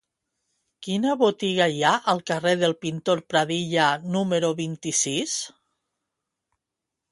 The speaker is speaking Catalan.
Quina botiga hi ha al carrer del Pintor Pradilla número vint-i-sis?